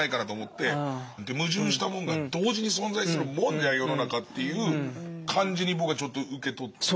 矛盾したもんが同時に存在するもんじゃん世の中っていう感じに僕はちょっと受け取ってね。